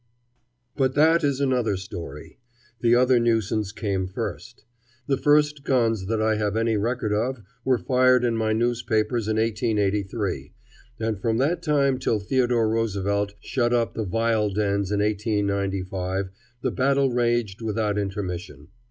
But that is another story. The other nuisance came first. The first guns that I have any record of were fired in my newspapers in 1883, and from that time till Theodore Roosevelt shut up the vile dens in 1895 the battle raged without intermission.